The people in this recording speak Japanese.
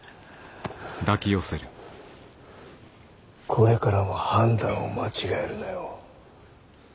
これからも判断を間違えるなよ。